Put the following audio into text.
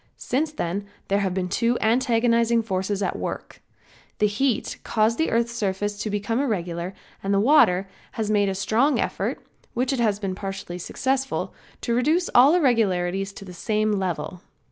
Since then there have been two antagonizing forces at work. The heat has caused the earth's surface to become irregular and the water has made a strong effort, which has been partially successful, to reduce all irregularities to the same level.